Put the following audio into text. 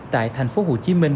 tại thành phố hồ chí minh